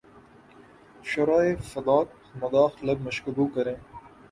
شرح فراق مدح لب مشکبو کریں